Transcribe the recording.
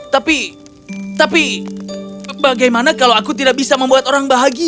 tapi tapi bagaimana kalau aku tidak bisa membuat orang bahagia